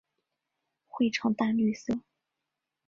喙呈淡绿色。